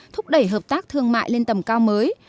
thúc đẩy hợp tác thương mại lên tầm cao mới